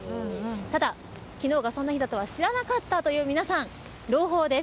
ただ、昨日がそんな日だとは知らなかったという皆さん朗報です。